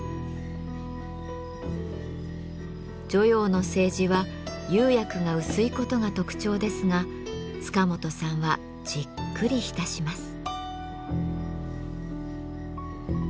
汝窯の青磁は釉薬が薄いことが特徴ですが塚本さんはじっくり浸します。